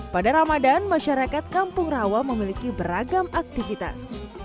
pada ramadan masyarakat kampung rawa memiliki beragam aktivitas